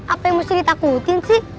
apa yang mesti ditakutin sih